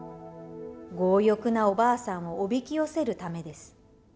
強欲なおばあさんをおびき寄せるためです。